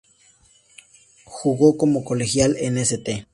Jugó como colegial en St.